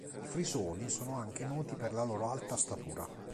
I frisoni sono anche noti per la loro alta statura.